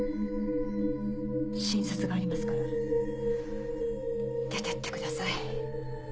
診察がありますから出てってください。